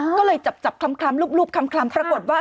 ก็เลยจับคล้ำรูปคล้ำปรากฏว่า